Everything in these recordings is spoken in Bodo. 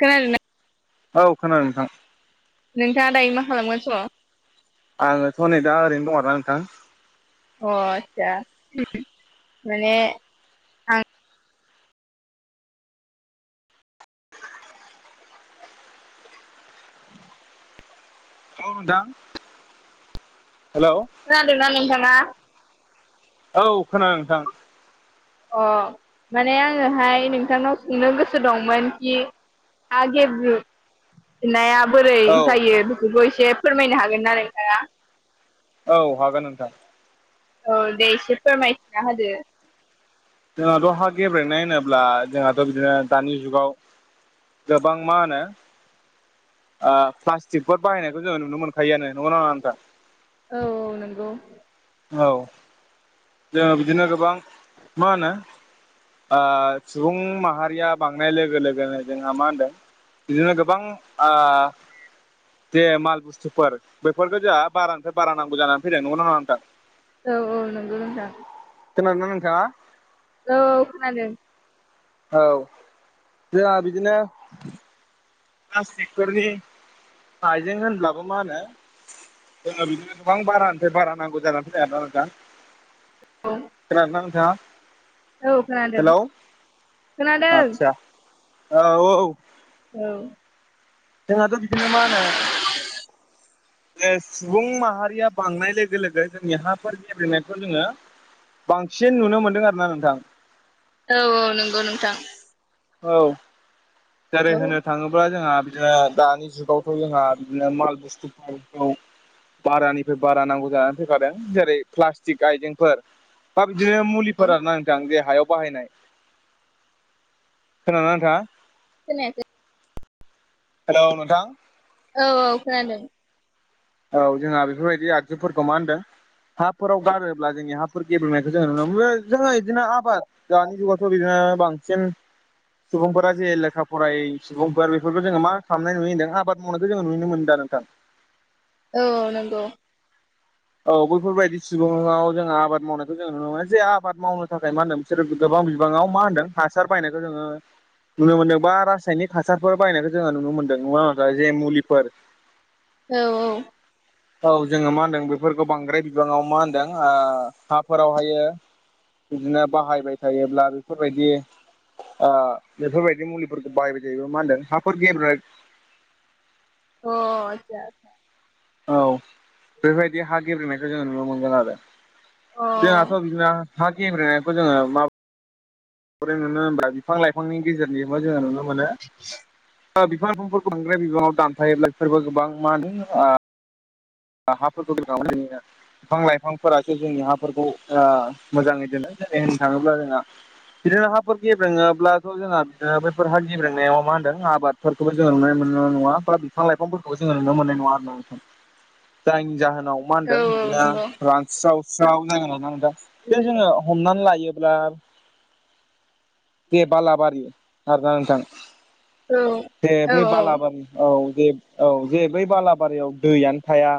खोनादों ना औ खोनादों नोंथां नोंथाङा दायो मा खालामगासिनो दङ आंङोथ' नै दा ओरैनो दं ना नोंथां अ दा माने आं औ नोंथां हेल' खोनादों ना नोंथाङा औ खोनादों नोंथां अ माने आङोहाय नोंथांनाव सोंनो गोसो दंमोन कि आ गेब्रु नाया बोरै औ जायो बेखौबो एसे फोरमायनो हागोन ना नोंथाङा औ हागोन नोंथां औ दे एसे फोरमायथिना होदो जोंहाथ' हा गेब्रेनाय होनोब्ला जोंहाथ' बिदिनो दानि जुगाव गोबां मा होनो प्लास्टिकफोर बाहायनायखौ जोङो नुनो मोनखायोआनो नंगौना नङा नोंथां औ औ नंगौ औ जोङो बिदिनो गोबां मा होनो ओ सुबुं माहारिया बांनाय लोगो लोगोनो जोंहा मा होनदों बिदिनो गोबां दे माल बुस्थुफोर बेफोरफोरखौ जोंहा बारानिफ्राय बारा नांगौ जानानै फैदों नोंगना नोंथां औ औ नंगौ दं जायाखै खोनादोंना नोंथाङा औ खोनादों औ जोंहा बिदिनो प्लास्टिकफोरनि आइजें होनब्लाबो मा होनो जोंना बिदिनो गोबां बारानिफ्राय बारा नांगौ जानानै फैबाय आरो ना दा खोनादों ना नोंथाङा औ खोनादों हेलौ खोनादों आदसा औ औ औ जोंहाथ' बिदिनो मा होनो [inaudible] सुबुं माहारिया बांनाय लोगो लोगो जोंनि हाफोर गेब्लेनायखौ जोङो बांसिन नुनो मोनदों आरोना नोंथां औ औ नंगौ नोंथां औ जेरै औ होननो थाङोब्ला जोंहा बिदि दानि जुगावथ' जोंहा बिदिनो माल बुस्थुफोरखौ बारानिफ्राय बारा नांगौ जानानै फैखादों जेरै प्लास्टिक आइजेंफोर दा बिदिनो मुलिफोर ना नोंथां जे हायाव बाहायनाय खोनादों ना नोंथां खोनायाखै हेल' नोंथां औ-औ खोनादों औ जोंहा बेफोरबायदि आगजुफोरखौ मा होनदों हाफोराव गारोब्ला जोंनि हाफोर गेबेनायखौ जों नुनो मोनो जोङो बिदिनो आबाद दानि जुगावथ' बिदिनो बांसिन सुबुंफोरा जे लेखा फराय सुबुंफोर बेफोरखौ जोङो मा खालामनाय नुयो होनदों आबाद मावनायखौ जोङो नुनो मोन दा नोंथां औ नंगौ औ बैफोरबायदि सुबुंङाव जोङो आबाद मावनायखौ जों नुनो मोनो जे आबाद मावनो थाखाय मा होनदों बिसोर गोबां बिबाङाव मा होनदों हासार बाहायनायखौ जोङो नुनो मोन्दों बा रासायनिक हासारफोर बायनायखौ जोङो नुनो मोन्दों नङा जे मुलिफोर औ-औ औ जोङो मा होनदों बेफोरखौ बांद्राय बिबाङाव मा होनदों हाफोरावहायो बिदिनो बाहायबाय थायोब्ला बेफोरबायदि बेफोरबायदि मुलिफोरखौ बायबाय जायोबो मा होनदों हाफोर गेब्रें अ आटसा औ बेबायदि हा गेब्रेंनायखौ जोङो नुनो मोनगोन आरो अ जोंहाथ' बिदिनो हा गेब्रेंनायखो जों मा बोरै नुनो होनबा बिफां लाइफांनि गेजेरजोंबो जोङो नुनो मोनो बिफां लाफांफोरखौ बांद्राय बिबाङाव दानफायोब्ला बिसोरबो गोबां मा होनो हाफोरखौ [unintelligible] बिफां लाइफांफोरासो जोंनि हाफोरखौ मोजाङै दोनो जेरै होननो थाङोब्ला जोंहा बिदिनो हाफोर गेबेङोब्लाथ' जोंहा बिदिनो बैफोरहाा गेब्रेंनायाव मा होनदों आबादफोरखौबो जोङो नुनो मोननो नङा ओमब्ला बिफां लाइफांफोरखौ जोङो नोनो मोननाय नङा नोंथां जायनि जाहोनाव मा औ होनदों औ बिदिनो नंगौ रानस्रावस्राव जागोन ना दा बे जोङो हमनानै लायोब्ला बे बालाबारि आरोना नोंथां औ जे औ बै बालाबारि औ जे औ जे बै बालाबारियाव दैयनो थाया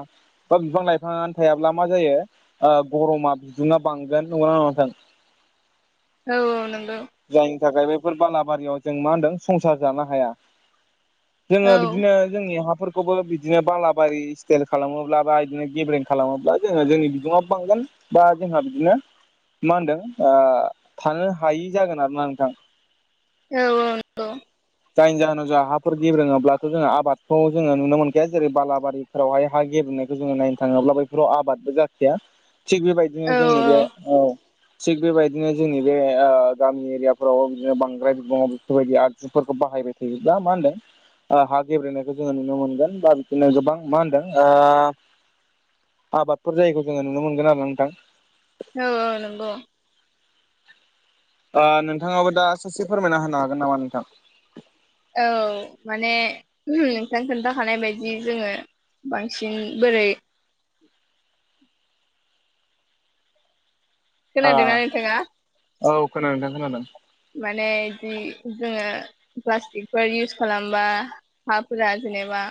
बा बिफां लाइफाङानो थायाब्ला मा जायो गरमा बिदुङा बांगोन नंगौना नङा नोंथां औ-औ नंगौ जायनि थाखाय बेफोर बालाबारियाव जों मा होनदों संसार जानो हाया जोङो औ बिदिनो जोंनि हाफोरखौबो बिदिनो बालाबारि सेल खालामोब्ला बा बिदिनो गेबेरं खालामोब्ला जोङो जोंनि बिदुंआबो बांगोन बा जोंहा बिदिनो मा होनदों थानो हायि जागोन आरोना नोंथां औ-औ नंगौ जायनि जाहोनाव जा हाफोर गेबोङोबथ' जोङो आबादखौ जोङो नुनो मोनखाया जेरै बालाबारि फोरावहाय हा गेबेनायखौ जोङो नायनो थाङोब्ला बैफोराव आबादबो जाखाया थिग बेबायदिनो औ जोंनि बे औ थिग बेबायदिनो जोंनि बे गामि एरियाफोराव बिदिनो बांद्राय बिबाङाव बेफोरबायदि आगजुफोरखौ बाहायबाय थायोब्ला मा होनदों ओ हा गेब्रेनायखौ जोङो नुनो मोनगोन बा बिदिनो गोबां मा होनदों आबादफोर जायखौ जोङो नुनो मोनगोन आरोा नोंथां औ-औ नंगौ नोंथाङाबो दा ससे फोरमायना होनो हागोन नामा नोंथां औ माने नोंथां खोन्थाखानाय बायदि जोङो बांसिन बोरै आ खोनादोंना नोंथाङा औ खोनादों नोंथां खोनादों। माने बिदि जोङो प्लास्टिकफोर इउस खालामबा हाफोरा जेनेबा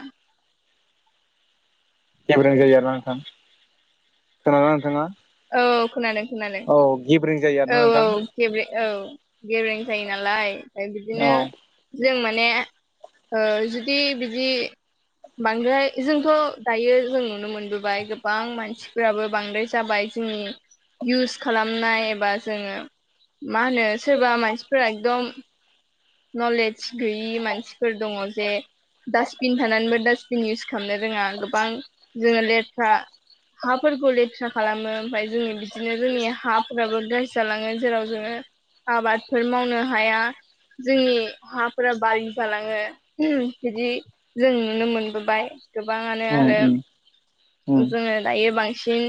गेब्रें जायो आरो ना नोंथां खोनादों नोंथाङा? औ खोनादों खोनादों औ गेब्रें जायो आरोना औ नोंथां औ। गेबें औ गेब्रेें जायो नालाय ओमफ्राय बिदिनो औ जों माने ओ जुदि बिदि बांद्रायहाय जोंथ' दायो जों नुनो मोनबोबाय गोबां मानसिफोराबो बांद्राय जाबाय। जोंनि इउस खालामनाय एबा जोङो मा होनो सोरबा मानसि फोरा एकदम नलेज गैयि मानसिफोर दङ' जे डास्टबिन थानानैबो दास्डबिन इउस खालामनो रोङा गोबां जोङो लेथ्रा हाफोरखौ लेथ्रा खालामो। ओमफ्राय जोंनि बिदिनो जोंनि हाफोराबो ग्राजि जालाङो जेराव जोङो आबादफोर मावनो हाया। जोंनि हाफोरा [unintelligible] जालाङो बिदि जों नुनो मोनबोबाय गोबाङानो उम आरो उम ओ उम जोङो दायो बांसिन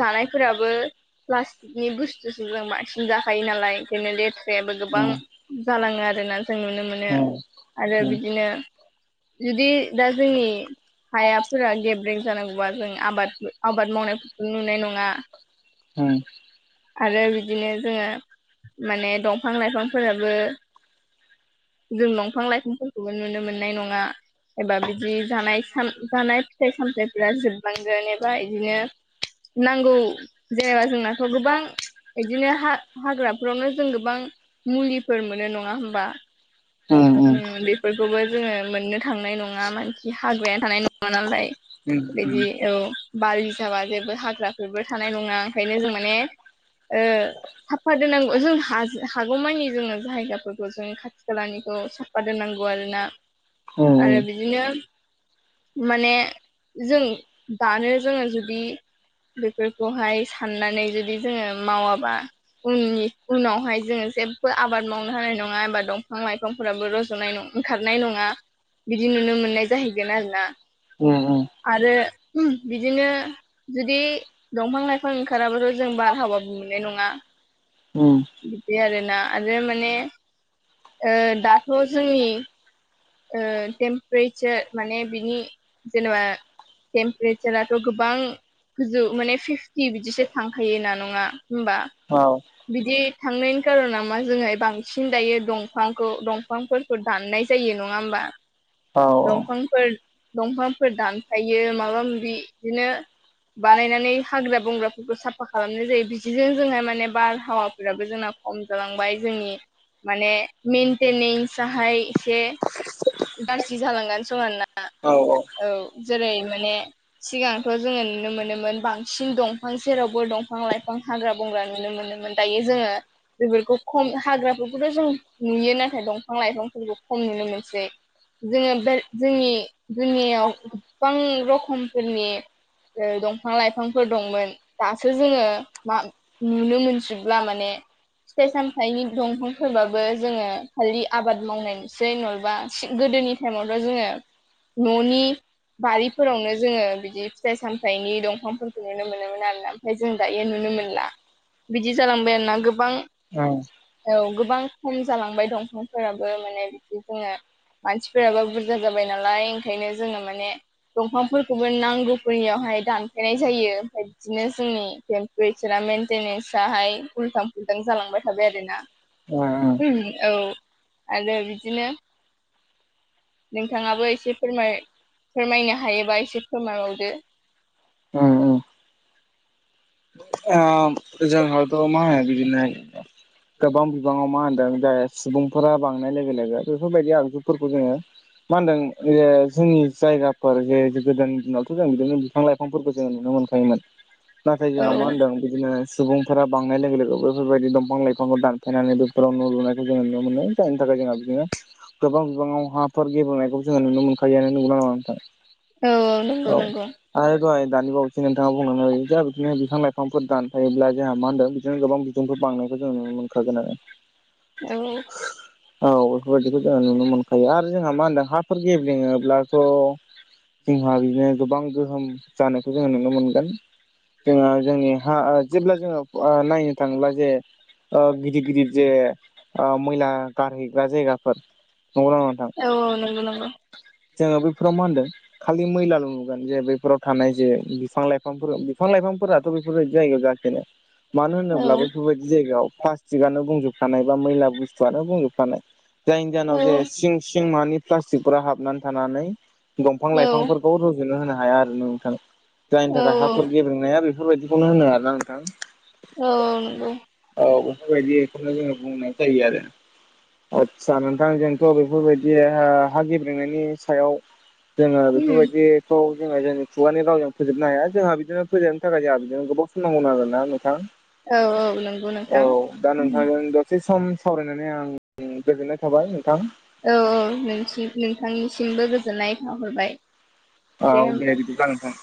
जानायफोराबो प्लास्टिकनि बुस्थुसो जों बांसिन जाखायो नालाय एखायनो लेथ्रायाबो गोबां जालांङो आरो ना जों नुनो मोनो उम आरो उम बिदिनो जुदि दा जोंनि हायाफोरा गेब्रेें जानांगौबा जों आबाद आबाद मावनायफोरखौ नुनाय नङा। उम उम आरो बिदिनो जोंङो माने दंफां-लाइफांफोराबो जों दंफां-लाइफांफोरखौबो नुनो मोननाय नङा एबा बिदि जि जानाय साम जानाय फिथाइ-सामथायफोरा जोबलांगोन एबा बिदिनो नांगौ जेनेबा जोंनाथ' गोबां इदिनो हा हाग्राफोरावनो जों गोबां मुलिफोर मोनो नङा होमबा। उम बेफोरखौबो जोंङो मोननो थांनाय नंङा मानखि हाग्रायानो थानाय नंङा नालाय। उम बिदि औ बालिसाबा जेबो हाग्राफोरबो थानाय नङा ओंखायनो जों माने ओ साफा दोनांगौ जों हाजो हागौमानि जोंङो जायगाफोर खौ जों खाथि खालानिखौ साफा दोननांगौ आरोना आरो बिदि बिदिनो माने जों दानो जोंङो जुदि बेफोर खहाय साननानै जुदि जोंङो मावाबा उननि उनावहाय जोंङो जेबो आबाद मावनो हानाय नङा एबा दंफां-लाइफां बिफांफोराबो रज'नाय ओंखारनाय नङा बिदि नुनो मोननाय जाहैगोन आरो ना। उम उम। आरो [inaudible] बिदिनो जुदि दंफां- लाइफां ओंखाराबाथ' जों बारहावाबो मोननाय नङा। उम उम बिदि आरोना आरो माने ओ दाथ' जोंनि ओ टेमपारेसार माने बिनि जेनेबा टेम्पारेसाराथ' गोबां गोजौ माने फिफ्टि थि बिदिसो थांखायो ना नङा होमबा। औ। बिदि थांनायनि कारनाव मा जों बांसिन दायो दंफांखौ दंफा दंफांफोरखौ दाननाय जायो नङा होमबा औ दंफां फोर दंफांफोर दानफायो माबा-माबि बिदिनो बानायनानै हाग्रा-बंग्राफोरखौ साफा खालामनाय जायो बिदिजों जोंहा माने बारहावाफोराबो जोंना खम जालांबाय जोंनि माने मेनटेनेन्स आहाय एसे गाज्रि जालांगासिनो दं आरोना औ औ जेरै माने सिगांथ जोंङो नुनो मोनोमोन बांसिन दंफां सेरावबो दंफां लाइफां गोबां हाग्रा बंग्रा नुनो मोनोमोन दायो जोंङो बेफोरखौ खम हाग्राफोरखौथ जों नुयो नाथाय दंफां लाइफांफोरखौ खम नुनो मोनसै जोंङो बे जोंनि दुनियायाव गोबां रखमफोरनि दंफां लाइफांफोर दंमोन दासो जोंङो मा नुनो मोनजोबला माने फिथाइ सामथायनि दंफांफोरबाबो जोंङो खालि आबाद मावनायसै नंहलेबा गोदोनि टाइमावथ जोंङो न'नि बारिफोरावनो जोंङो बिदि फिथाइ सामथायाइनि दंफांफोरखौ नुनो मोनोमोन आरो ना ओमफ्राय जों दायो नुनो मोनला बिदि जालांबाय आरोना गोबां ओं औ गोबां खम जालांबाय दंफांफोराबो माने बिदि जोंङो मानसिफोराबो बुरजा जाबाय नालाय ओंखायनो जोंङो माने दंफांफोरखौबो नांगौफोरनियावहाय दानफायनाय जायो ओमफ्राय बिदिनो जोंनि बेसोरा मेेनटेनेन्सहाय उल्थां फुल्थां जालांबाय थाबाय आरोना उम उम उम औ आरो बिदिनो नोंथाङाबो एसे फोरमाय फोरमायनो हायोबा एसे फोरमायबावदो ओं ओं ओ जोंहाथ मा होनो बिदिनो गोबां बिबाङाव मा होनदों जाय सुबुंफोरा बांनाय लोगो लोगो बेफोरबायदि आगजुफोरखौ जोङो मा होनदों ओ जोंनि जायगाफोर जे गोदोनि दिनावथ जों बिदिनो बिफां लाइफांफोरखौ जोङो नुनो मोनखायोमोन [inaudible] नाखाय जोंहा औ मा होनदों बिदिनो सुबुंफोरा बांनाय लोगो लोगो बेफोरबायदि दंफां लाइफांखौ दानफायनानै बेफोराव न' लुनायखौ जोंङो नुनो मोनो जायनि थाखाय जोंहा बिदिनो गोबां बिबाङाव हाफोर गेब्रेंनायखौ जोङो नुनो मोनखायोनो नोंगौना नङा नोंथां औ औ नंगौ नंगौ आरो दहाय दानि बावैसो नोंथाङा बुंलांनाय बायदिनो जा बिदिनो बिफां ला बिफांफोर दानफायोब्ला जोंहा मा होनदों बिदिनो गोबां बिदुंफोर बांनायखौ जों नुनो मोनखागोन आरो औ औ बेफोरबायदिखौ जोङो नुनो मोनखायो आरो जोंहा मा होनदों हाफोर गेब्रेङोब्लाथ जोंहा बिदिनो गोबां गोहोम जानायखौ जोङो नुनो मोनगोन जोंहा जोंनि हा ओ जेब्ला जोङो ओ नायनो थाङोब्ला जे गिदिर गिदिर जे आ मैला गारहैग्रा जायगाफोर नंगौना नङा नोंथां औ औ नंगौ नंगौ जोङो बै बेफोराव मा होनदों खालि मैलाल नुगोन जे बेैफोराव थानाय जे बिफां लाइफांफोर बिफां लाइफांफोरा बेफोरबायदि जायगायाव जाखायानो मानो औ होनोब्ला बेफोरबायदि जायगायाव प्लास्टिकआनो बुंजोबखानाय बा मैला बुस्थुआनो बुंजोबखानाय जायनि औ जाहोनाव जे सिं सिं मानि प्लास्टिकफोरा हाबनानै थानानै दंफां औ लाइफांफोरखौ र जनो होनो हाया आरो नोंथां जायनि औ थाखाय हाफोर गेबेंनाया बेफोरबायदिखौनो होनो आरो ना नोंथां औ नंगौ औ बेफोरबायदि बेखौनो जों नुनाय जायो आरो आदसा नोंथां जोंथ बेफोरबायदि ओ हा गेब्रेंनायनि सायाव जोङो उम बेफोरबायदिखौ जोङो जोंनि खुगानि रावजों फोजोबनो हाया जोंहा बिदिनो फोजोब नो थाखाय जोंहा बिजोंनो गोबाव सम नांगौ आरोना नोंथां औ औ नंगौ औ नोंथां दा उम नोंथांजों एसे सम सावरायनानै आं गोजोननाय थाबाय नोंथां औ औ नोंसि नोंथांनिसिमबो गोजोननाय थाहरबाय औ दे बिदिब्ला नोंथां